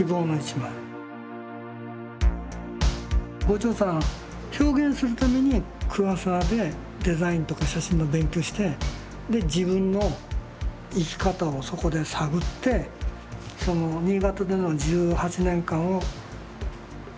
牛腸さん表現するために桑沢でデザインとか写真の勉強をして自分の生き方をそこで探ってその新潟での１８年間を出した。